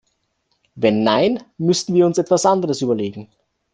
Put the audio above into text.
Wenn nein, müssen wir uns etwas anderes überlegen.